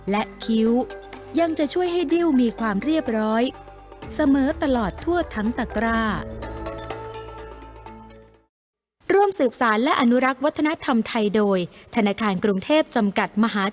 และคิ้วยังจะช่วยให้ดิ้วมีความเรียบร้อยเสมอตลอดทั่วทั้งตะกร้า